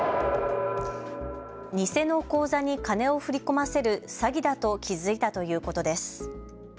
偽の口座に金を振り込ませる詐欺だと気付いたということです。